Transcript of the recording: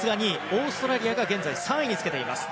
オーストラリアが現在３位につけています。